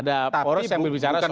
tapi bukan berarti tertutupkan